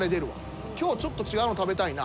今日はちょっと違うの食べたいな。